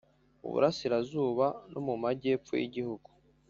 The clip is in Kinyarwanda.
mu Burasirazuba no mu Majyepfo y’igihugu.